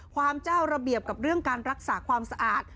เจ้าระเบียบกับเรื่องการรักษาความสะอาด